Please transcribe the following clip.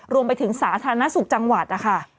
รวมไปถึงสาธารณสุขจังหวัดนะคะ